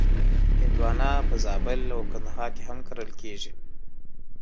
هندوانه په زابل او کندهار کې هم کرل کېږي.